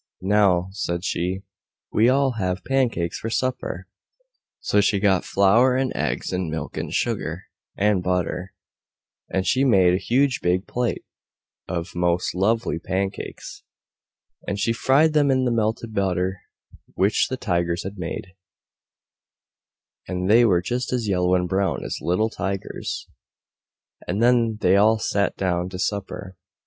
"Now," said she, "we'll all have pancakes for supper!" So she got flour and eggs and milk and sugar and butter, and she made a huge big plate of most lovely pancakes. And she fried them in the melted butter which the Tigers had made, and they were just as yellow and brown as little Tigers. And then they all sat down to supper.